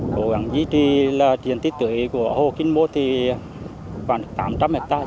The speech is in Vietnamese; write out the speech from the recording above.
cố gắng duy trì là diện tích tưới của hồ kinh mô thì khoảng tám trăm linh hectare